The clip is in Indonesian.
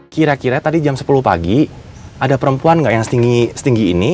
kira kira tadi jam sepuluh pagi ada perempuan nggak yang setinggi ini